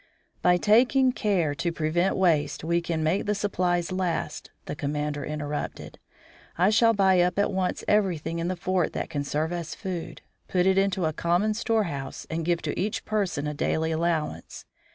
"By taking care to prevent waste we can make the supplies last," the commander interrupted. "I shall buy up at once everything in the fort that can serve as food, put it into a common storehouse, and give to each person a daily allowance.